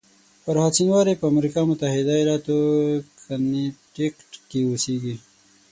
فرهاد شینواری په امریکا متحده ایالاتو کنیټیکټ کې اوسېږي.